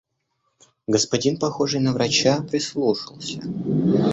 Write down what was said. Господин, похожий на врача, прислушался.